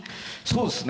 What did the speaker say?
そうですね